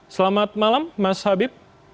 selamat malam mas habib